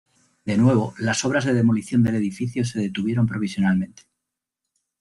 De nuevo, las obras de demolición del edificio se detuvieron provisionalmente.